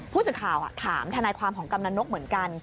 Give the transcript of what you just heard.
ผู้สื่อข่าวถามทนายความของกำนันนกเหมือนกัน